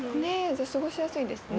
じゃあ過ごしやすいですね。